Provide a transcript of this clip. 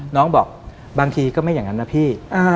น้องบอกบางทีก็ไม่อย่างนั้นนะพี่